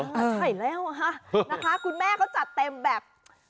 ใช่แล้วฮะนะคะคุณแม่เขาจัดเต็มแบบ